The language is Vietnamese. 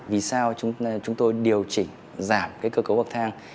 vì sao chúng tôi điều chỉnh giảm cái cơ cấu bậc thang